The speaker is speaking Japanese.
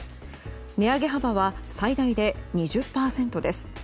値上げ幅は最大で２０％です。